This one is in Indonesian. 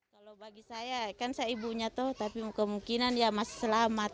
kalau bagi saya kan saya ibunya tuh tapi kemungkinan dia masih selamat